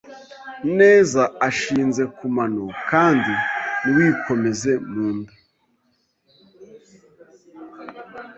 neza ashinze ku mano kandi ntiwikomeze mu nda.